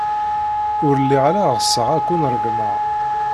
Ur lliɣ ara ɣseɣ ad ken-regmeɣ.